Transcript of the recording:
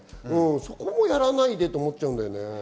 そこもやらないでと思っちゃうんだよね。